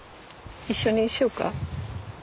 一緒にしようか。